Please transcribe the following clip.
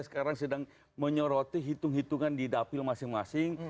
sekarang sedang menyoroti hitung hitungan di dapil masing masing